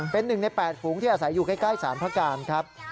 เป็น๑ใน๘ฝูงที่อาศัยอยู่ใกล้สารพระการครับ